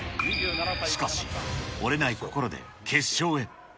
しかし、折れない心で決勝へ。